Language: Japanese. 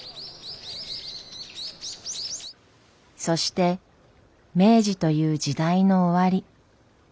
そして明治という時代の終わり。